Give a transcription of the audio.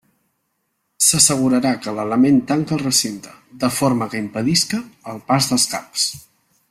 S'assegurarà que l'element tanca el recinte, de forma que impedisca el pas dels caps.